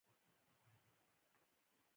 پیرودونکی تل د درناوي وړ دی.